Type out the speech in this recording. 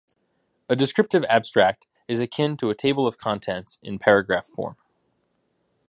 A descriptive abstract is akin to a table of contents in paragraph form.